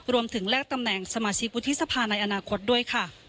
รวมถึงแลกตำแหน่งสมาชิกวุฒิทธิสภาในอนาคตด้วย